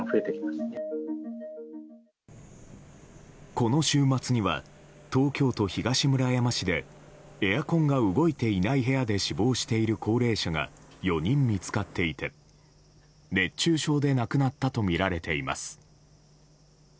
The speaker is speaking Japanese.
この週末には東京都東村山市でエアコンが動いていない部屋で死亡している高齢者が４人見つかっていて熱中症で亡くなったとみられています。